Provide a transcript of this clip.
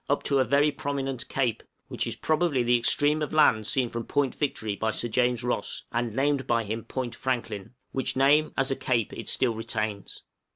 up to a very prominent cape, which is probably the extreme of land seen from Point Victory by Sir James Ross, and named by him Point Franklin, which name, as a cape, it still retains.